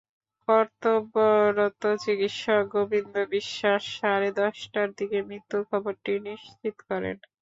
কর্তব্যরত চিকিৎসক গোবিন্দ বিশ্বাস সাড়ে দশটার দিকে মৃত্যুর খবরটি নিশ্চিত করেন।